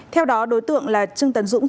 theo đó đối tượng là trưng tấn dũng